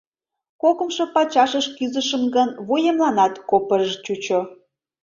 Кокымшо пачашыш кӱзышым гын, вуемланат копыж-ж чучо.